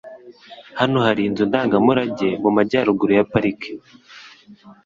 Hano hari inzu ndangamurage mumajyaruguru ya pariki.